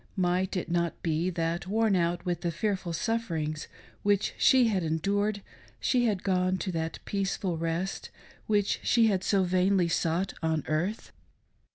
Might it not be, that ^vorn out with the fearful sufferings which she had endured, sHe had gone to that peaceful rest which she had so vainly sought on earth